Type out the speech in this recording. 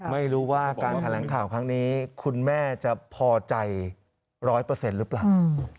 ไม่รู้ว่าการแถลงข่าวครั้งนี้คุณแม่จะพอใจร้อยเปอร์เซ็นต์หรือเปล่า